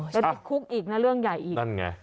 ไม่ทักคุกอีกอีกนะเรื่องใหญ่อีก